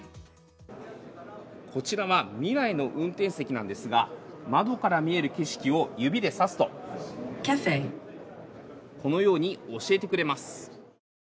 こちらは未来の運転席なんですが窓から見える景色を指で指すとこのように教えてくれます。